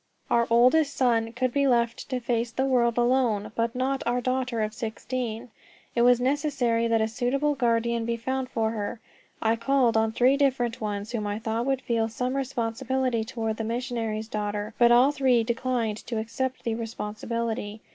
Our eldest son could be left to face the world alone, but not our daughter of sixteen. It was necessary that a suitable guardian be found for her. I called on three different ones whom I thought would feel some responsibility toward the missionary's daughter, but all three declined to accept the responsibility.